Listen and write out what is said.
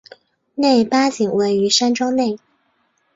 内八景位于山庄内。